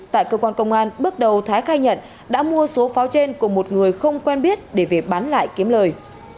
tại cơ quan công an bước đầu thái khai nhận đã mua số pháo trên của một người không quen biết để về bán lại kiếm lời